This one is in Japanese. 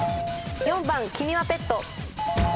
４番きみはペット。